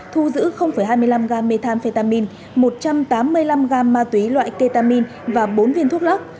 thu giữ hai mươi năm gam methamphetamine một trăm tám mươi năm gam ma túy loại ketamin và bốn viên thuốc lắc